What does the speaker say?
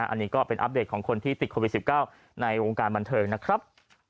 อันนี้ก็เป็นอัปเดตของคนที่ติดโควิด๑๙ในวงการบันเทิงนะครับ